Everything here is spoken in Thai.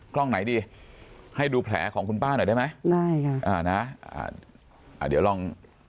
กล้องไหนดีให้ดูแผลของคุณป้าหน่อยได้ไหมได้ค่ะอ่านะอ่าเดี๋ยวลอง